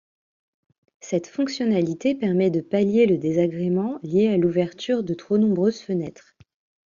Cette fonctionnalité permet de pallier le désagrément lié à l'ouverture de trop nombreuses fenêtres.